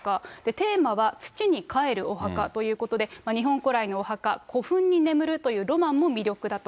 テーマは土にかえるお墓ということで日本古来のお墓、古墳に眠るというロマンも魅力だと。